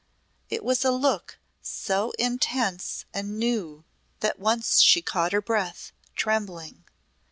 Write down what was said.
It was a look so intense and new that once she caught her breath, trembling.